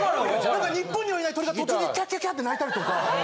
なんか日本にはいない鳥が途中でキャキャキャって鳴いたりとか。